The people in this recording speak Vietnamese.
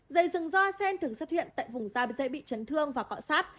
dây sừng do a sen thường xuất hiện tại vùng da dễ bị chấn thương và cọ sát